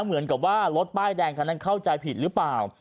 เหมือนกับว่ารถป้ายแดงคันนั้นเข้าใจผิดหรือเปล่า